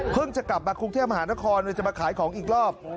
จะกลับมากรุงเทพมหานครจะมาขายของอีกรอบ